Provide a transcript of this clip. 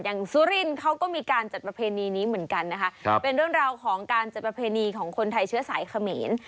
สุรินทร์เขาก็มีการจัดประเพณีนี้เหมือนกันนะคะครับเป็นเรื่องราวของการจัดประเพณีของคนไทยเชื้อสายเขมร